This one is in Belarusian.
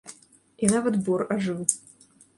І нават бор ажыў.